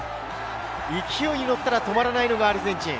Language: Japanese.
勢いに乗ったら止まらないのがアルゼンチン。